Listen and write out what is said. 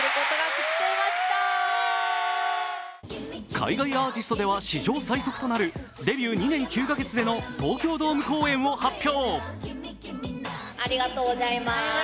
海外アーティストでは史上最速となるデビュー２年９か月での東京ドーム公演を発表。